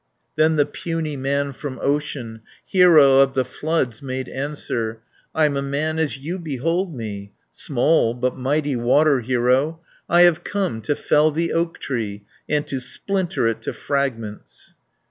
Then the puny man from ocean, Hero of the floods, made answer: "I'm a man as you behold me, Small, but mighty water hero, 140 I have come to fell the oak tree, And to splinter it to fragments."